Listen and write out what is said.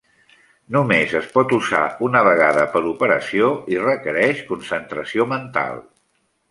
Només es pot usar una vegada per operació i requereix concentració mental.